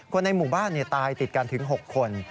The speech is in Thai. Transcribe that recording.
ในหมู่บ้านตายติดกันถึง๖คน